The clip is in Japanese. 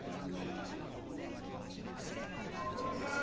・鳥居さん！